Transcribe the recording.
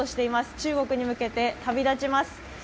中国に向けて旅立ちます。